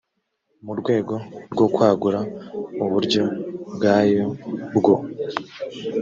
mu rwego rwo kwagura uburyo bwayo bwo